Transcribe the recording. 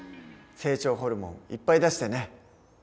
成長ホルモンいっぱい出してね。